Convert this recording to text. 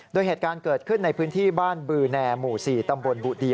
โดยเหตุการณ์เกิดขึ้นในพื้นที่บ้านบือแนหมู่๔ตำบลบุดี